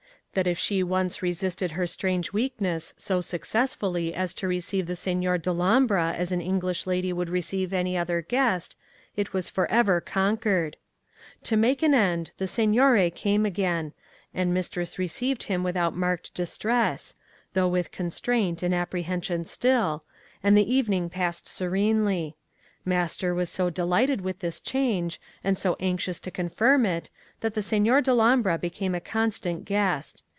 That if she once resisted her strange weakness, so successfully as to receive the Signor Dellombra as an English lady would receive any other guest, it was for ever conquered. To make an end, the signore came again, and mistress received him without marked distress (though with constraint and apprehension still), and the evening passed serenely. Master was so delighted with this change, and so anxious to confirm it, that the Signor Dellombra became a constant guest.